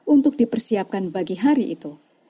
untuk dipersiapkan bagi hari itu